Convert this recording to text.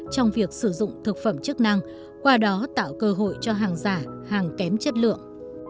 trong việc sử dụng thực phẩm chức năng qua đó tạo cơ hội cho hàng giả hàng kém chất lượng